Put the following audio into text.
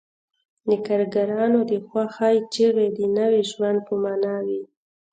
د کارګرانو د خوښۍ چیغې د نوي ژوند په مانا وې